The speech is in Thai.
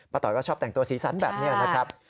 ต่อยก็ชอบแต่งตัวสีสันแบบนี้นะครับ